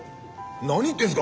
何言ってんすか！